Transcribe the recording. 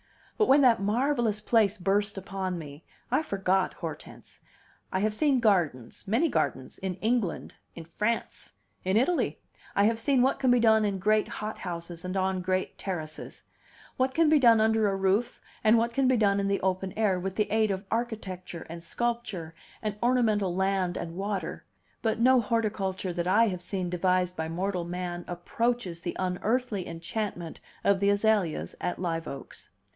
But when that marvelous place burst upon me, I forgot Hortense. I have seen gardens, many gardens, in England, in France; in Italy; I have seen what can be done in great hothouses, and on great terraces; what can be done under a roof, and what can be done in the open air with the aid of architecture and sculpture and ornamental land and water; but no horticulture that I have seen devised by mortal man approaches the unearthly enchantment of the azaleas at Live Oaks.